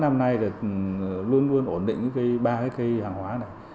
ba bốn năm nay luôn luôn ổn định ba cái cây hàng hóa này